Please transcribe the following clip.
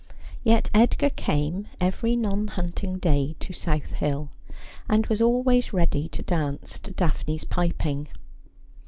Yet Edgar came every non hunting day to South Hill, and was always ready to dance to Daphne's piping.